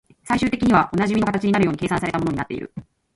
最終的にはおなじみの形になるように計算された物になっている